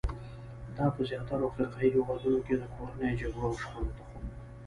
دا په زیاترو افریقایي هېوادونو کې د کورنیو جګړو او شخړو تخم وو.